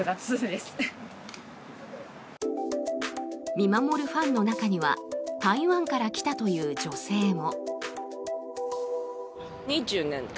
見守るファンの中には台湾から来たという女性も。